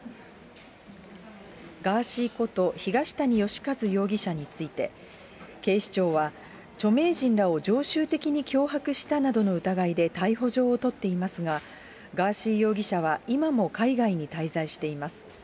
ガーシーこと東谷義和容疑者について、警視庁は、著名人らを常習的に脅迫したなどの疑いで逮捕状を取っていますが、ガーシー容疑者は今も海外に滞在しています。